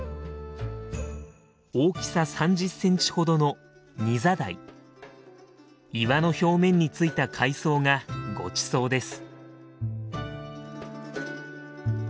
大きさ３０センチほどの岩の表面についた海藻がごちそうです。